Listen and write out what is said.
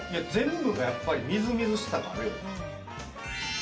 全部がやっぱりみずみずしさがある。